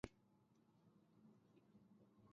هغې وویل چې پښتانه هر ځای کې یو دي.